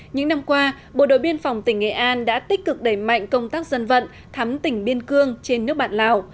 những năm qua bộ đội biên phòng tỉnh nghệ an đã tích cực đẩy mạnh công tác dân vận thắm tỉnh biên cương trên nước bạn lào